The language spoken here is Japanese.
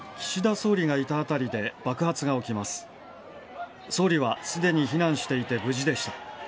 総理はすでに避難していて無事でした。